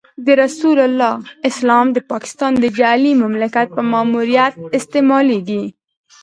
د رسول الله اسلام د پاکستان د جعلي مملکت په ماموریت استعمالېږي.